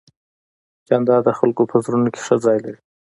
جانداد د خلکو په زړونو کې ښه ځای لري.